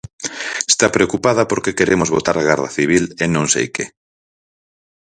Está preocupada porque queremos botar a Garda Civil e non sei que.